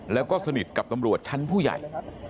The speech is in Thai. แล้วก็สนิทกับตำรวจชั้นผู้ใหญ่